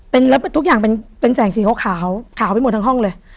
แล้วทุกอย่างเป็นแสงสีขาวขาวไปหมดทั้งห้องเลย